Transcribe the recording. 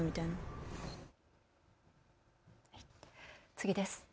次です。